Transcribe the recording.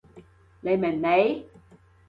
你明未？